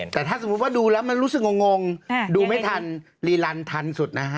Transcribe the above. แต่ถ้าสมมุติว่าดูแล้วมันรู้สึกงงดูไม่ทันลีลันทันสุดนะฮะ